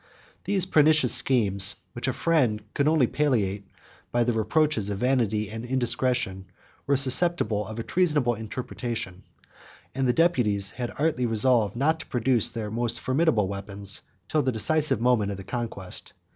99 These pernicious schemes, which a friend could only palliate by the reproaches of vanity and indiscretion, were susceptible of a treasonable interpretation; and the deputies had artfully resolved not to produce their most formidable weapons till the decisive moment of the contest.